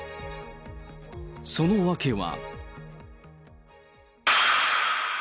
その訳は。